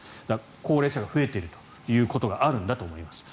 高齢者が増えているということがあるんだと思います。